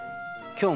今日？